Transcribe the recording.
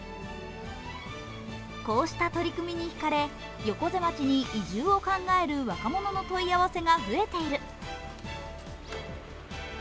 こうした取り組みにひかれ、横瀬町に移住を考える若者の問い合わせが増えている。